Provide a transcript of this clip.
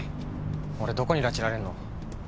俺どこに拉致られんの？